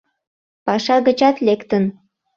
Паша гычат лектын.